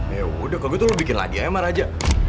ya udah kok gue tuh lu bikin lady aja sama raja